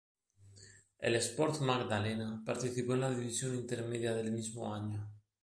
El Sport Magdalena, participó en la División Intermedia del mismo año.